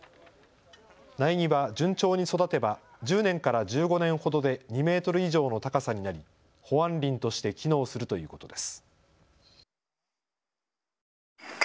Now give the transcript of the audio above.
苗木は順調に育てば１０年から１５年ほどで２メートル以上の高さになり保安林として機能するということです。